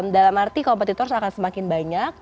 dalam arti kompetitor akan semakin banyak